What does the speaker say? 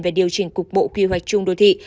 về điều chỉnh cục bộ quy hoạch chung đô thị